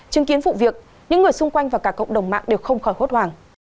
chứng kiến vụ việc những người xung quanh và cả cộng đồng mạng đều không khỏi hốt hoảng